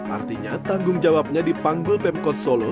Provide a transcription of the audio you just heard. artinya tanggung jawabnya dipanggul pemkot solo